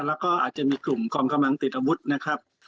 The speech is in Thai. แล้วก็อาจจะมีกลุ่มกองกำลังติดอาวุธนะครับ